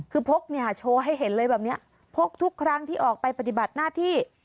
คือพกเนี่ยโชว์ให้เห็นเลยแบบนี้พกทุกครั้งที่ออกไปปฏิบัติหน้าที่